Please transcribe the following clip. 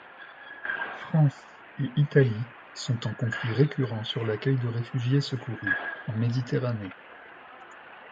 France et Italie sont en conflit récurrent sur l'accueil de réfugiés secourus en Méditerranée.